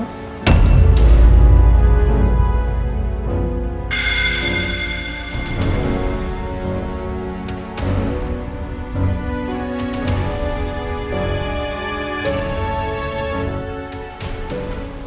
umm saat pertama grimmau